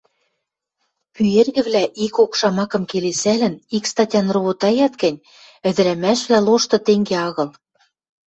Пӱэргӹвлӓ, ик-кок шамакым келесӓлӹн, ик статян ровотаят гӹнь, ӹдӹрӓмӓшвлӓ лошты тенге агыл.